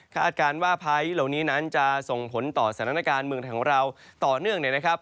คาดการณ์ว่าพายุเหล่านี้นั้นจะส่งผลต่อสถานการณ์เมืองไทยของเราต่อเนื่องเนี่ยนะครับ